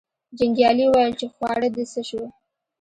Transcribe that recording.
جنګیالي وویل چې خواړه دې څه شو.